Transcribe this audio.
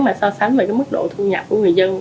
mà so sánh về cái mức độ thu nhập của người dân